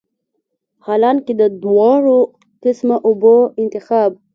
حالانکه د دواړو قسمه اوبو انتخاب